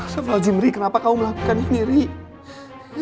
safal zimri kenapa kamu melakukan ini riri